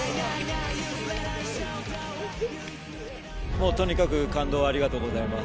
もうとにかく感動をありがとうございます。